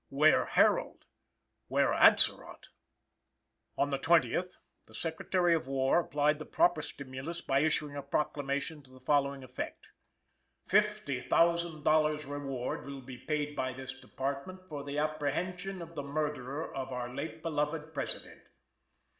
where Herold? where Atzerodt? On the 20th, the Secretary of War applied the proper stimulus by issuing a proclamation to the following effect: "$50,000 reward will be paid by this department for the apprehension of the murderer of our late beloved President.